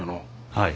はい。